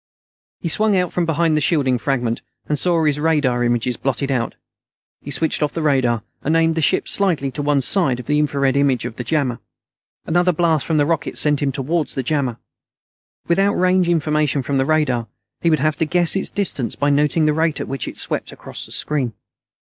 He swung out from behind the shielding fragment, and saw his radar images blotted out. He switched off the radar, and aimed the ship slightly to one side of the infrared image of the jammer. Another blast from the rockets sent him towards the jammer. Without range information from the radar, he would have to guess its distance by noting the rate at which it swept across the screen.